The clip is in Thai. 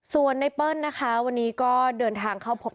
ส่วนไนเปิ้ลนะคะวันนี้ก็เดินทางเข้าพบ